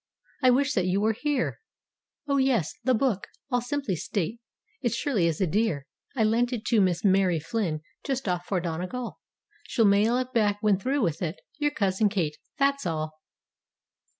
I wish that you were here. Oh, yes, the book, I'll simply state, it surely is a dear. I lent it to Miss Mary Flynn, just off for Donegal— She'll mail it back when through with it. Your Cousin Kate—that's all."